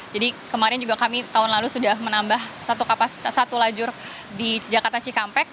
jadi kemarin juga kami tahun lalu sudah menambah satu lajur di jakarta cikampek